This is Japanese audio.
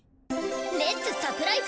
レッツサプライズ